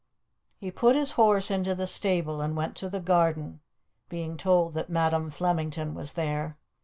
He put his horse into the stable and went to the garden, being told that Madam Flemington was there.